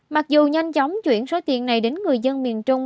mặc dù nhanh chóng chuyển số tiền này đến người dân miền trung